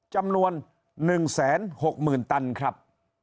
จำนวน๑แสน๖หมื่นตันครับ